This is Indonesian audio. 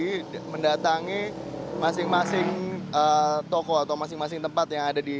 jadi mendatangi masing masing tokoh atau masing masing tempat yang ada di